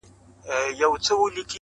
هغه ورځ چي نه لېوه نه قصابان وي -